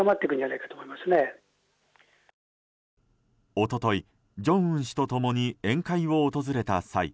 一昨日、正恩氏と共に宴会を訪れた際